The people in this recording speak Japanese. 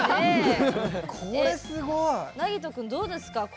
なぎと君どうですか。